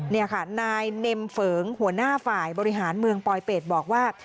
นี่ค่ะนายเนมเฝิงหัวหน้าฝ่ายบริหารเมืองปลอยเป็ดบอกว่า